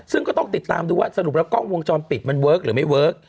ซึ่งก็ต้องติดตามดูว่าสรุปแล้วกล้องวงจรปิดมันเวิร์คหรือไม่เวิร์ค